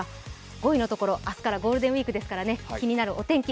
５位のところ明日からゴールデンウイークですからね、気になるお天気